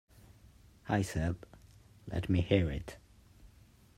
I said, "Let me hear it."...